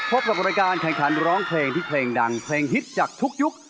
พบกับรายการแข่งขันร้องเพลงที่เพลงดังเพลงฮิตจากทุกยุค